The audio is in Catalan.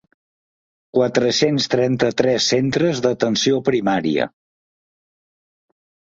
Quatre-cents trenta-tres centres d'atenció primària.